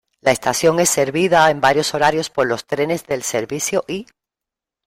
La estación es servida en varios horarios por los trenes del servicio y